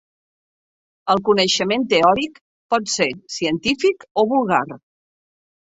El coneixement teòric pot ser científic o vulgar.